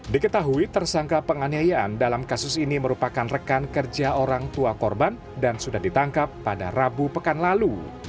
diketahui tersangka penganiayaan dalam kasus ini merupakan rekan kerja orang tua korban dan sudah ditangkap pada rabu pekan lalu